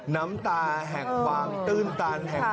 น้ำตาแหกวางตื่นตันแหกวาง